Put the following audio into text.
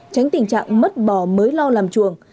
tránh tình trạng mất bò mới lo làm chuồng